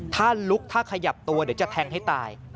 ถ้าลุกถ้าขยับตัวเดี๋ยวจะแทงให้ตาย